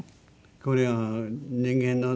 これは人間のね